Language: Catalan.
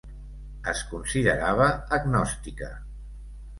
Es considerava agnòstica.